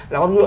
là con ngựa